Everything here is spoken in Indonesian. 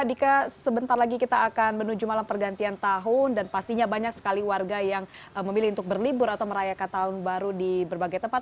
dika sebentar lagi kita akan menuju malam pergantian tahun dan pastinya banyak sekali warga yang memilih untuk berlibur atau merayakan tahun baru di berbagai tempat